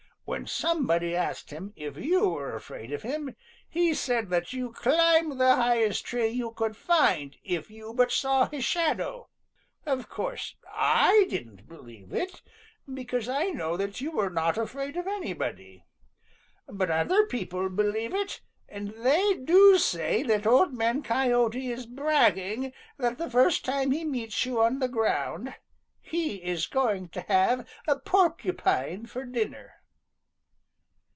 When somebody asked him if you were afraid of him, he said that you climbed the highest tree you could find if you but saw his shadow. Of course, I didn't believe it, because I know that you are not afraid of anybody. But other people believe it, and they do say that Old Man Coyote is bragging that the first time he meets you on the ground he is going to have Porcupine for dinner."